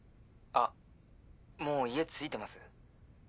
あっもう家着いてます？